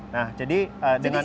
nah jadi dengan